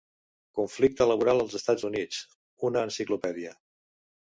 "Conflicte laboral als Estats Units", una enciclopèdia.